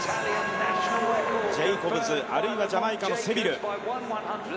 ジェイコブズあるいはジャマイカのセビル。